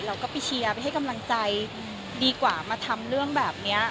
เราก็ไปเชียร์ไปให้กำลังใจดีกว่ามาทำเรื่องแบบนี้